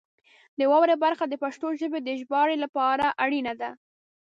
د واورئ برخه د پښتو ژبې د ژباړې لپاره اړینه ده.